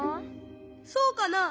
そうかな？